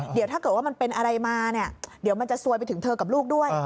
เดี๋ยวถ้าเกิดว่ามันเป็นอะไรมาเนี่ยเดี๋ยวมันจะซวยไปถึงเธอกับลูกด้วย